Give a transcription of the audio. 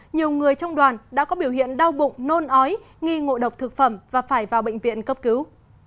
nhiều người trong đoàn đã có biểu hiện đau bụng nôn ói nghi ngộ độc thực phẩm và phải vào bệnh viện cấp cứu